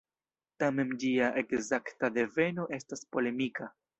Tamen ĝia ekzakta deveno estas polemika.